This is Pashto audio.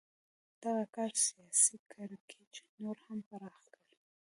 دغه کار سیاسي کړکېچ نور هم پراخ کړ.